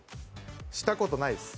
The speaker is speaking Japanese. したことないです。